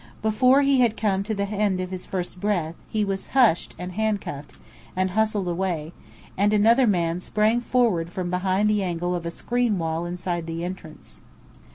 Before he had come to the end of his first breath, he was hushed and handcuffed, and hustled away; and another man sprang forward from behind the angle of a screen wall inside the entrance.